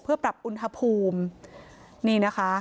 เพื่อปรับอุณหภูมิ